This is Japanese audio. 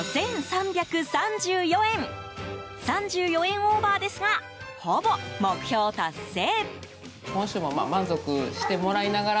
３４円オーバーですがほぼ目標達成。